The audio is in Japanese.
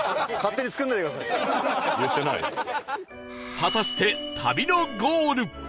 果たして旅のゴール